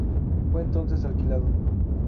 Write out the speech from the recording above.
Fue entonces alquilado.